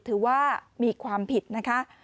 ถือว่ามีความผิดนะคะ